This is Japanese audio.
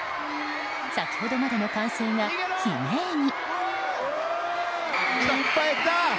先ほどまでの歓声が悲鳴に。